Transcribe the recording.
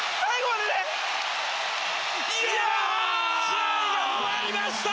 試合が終わりました！